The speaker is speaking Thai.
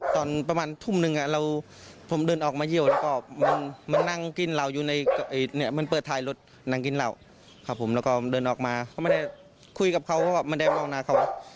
เขาเดินออกมาเขาไม่ได้คุยกับเขาเขาก็บอกว่าไม่ได้มองนาเขา